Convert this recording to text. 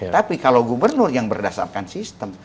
tapi kalau gubernur yang berdasarkan sistem